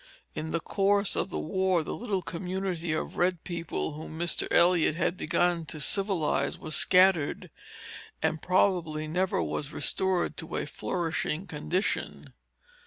In the course of the war, the little community of red people whom Mr. Eliot had begun to civilize, was scattered, and probably never was restored to a flourishing condition.